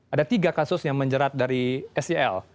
ada tiga kasus yang menjerat dari sel